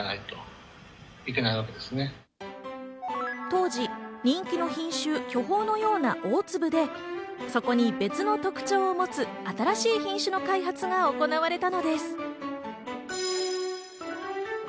当時、人気の品種・巨峰のような大粒でそこに別の特徴を持つ新しい品種の開発が行われたのです。